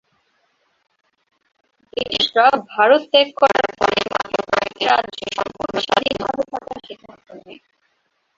ব্রিটিশরা ভারত ত্যাগ করার পরে মাত্র কয়েকটি রাজ্য সম্পূর্ণ স্বাধীন ভাবে থাকার সিদ্ধান্ত নেয়।